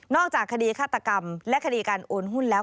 จากคดีฆาตกรรมและคดีการโอนหุ้นแล้ว